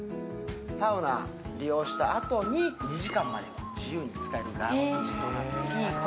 サウナ利用したあとに２時間まで自由に使えるラウンジとなっています。